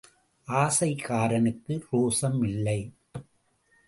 ஆசைக்காரனுக்கு ரோசம் இல்லை.